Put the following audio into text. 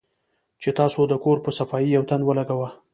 چې تاسو د کور پۀ صفائي يو تن ولګوۀ